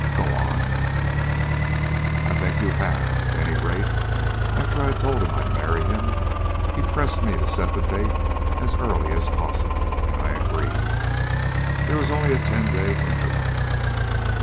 Go on!" "I think you have. At any rate, after I had told him I'd marry him, he pressed me to set the date as early as possible, and I agreed. There was only a ten day interval.